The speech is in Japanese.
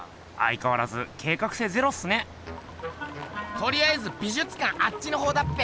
とりあえず美術館あっちのほうだっぺ。